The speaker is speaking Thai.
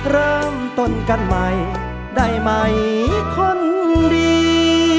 เริ่มต้นกันใหม่ได้ไหมคนดี